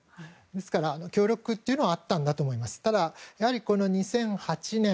ですから協力はあったんだと思います。